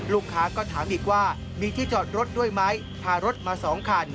ลูกค้าก็ถามอีกว่ามีที่จอดรถด้วยไหมพารถมา๒คัน